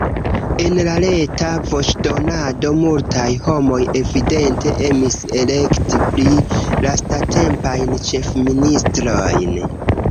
En la reta voĉdonado multaj homoj evidente emis elekti pli lastatempajn ĉefministrojn.